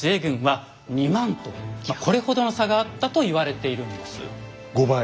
これほどの差があったと言われているんです。